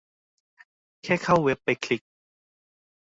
แค่เข้าเว็บไปคลิก